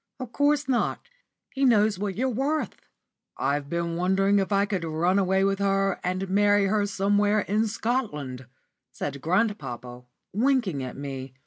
"Of course not; he knows what you're worth." "I've been wondering if I could run away with her and marry her somewhere in Scotland," said grandpapa, winking at me.